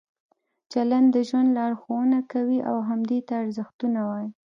چلند د ژوند لارښوونه کوي او همدې ته ارزښتونه وایي.